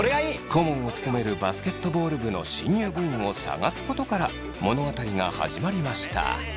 顧問を務めるバスケットボール部の新入部員を探すことから物語が始まりました。